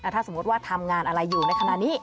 ถ้าสมมุติว่าทำงานอะไรอยู่ในขณะนี้